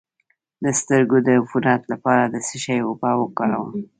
د سترګو د عفونت لپاره د څه شي اوبه وکاروم؟